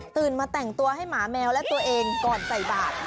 มาแต่งตัวให้หมาแมวและตัวเองก่อนใส่บาท